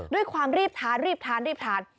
ด้วยความรีบทานรีบทานรีบทาน